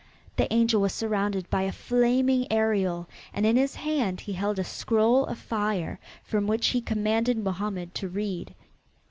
The angel was surrounded by a flaming aureole and in his hand he held a scroll of fire from which he commanded Mohammed to read.